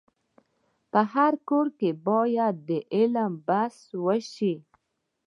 په هر کور کي باید علم بحث وسي.